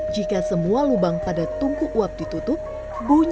jika semua lubang pada tungku uap ditutup bunyi dengingnya